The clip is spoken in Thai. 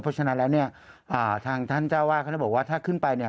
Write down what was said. เพราะฉะนั้นแล้วเนี่ยทางท่านเจ้าว่าเขาจะบอกว่าถ้าขึ้นไปเนี่ย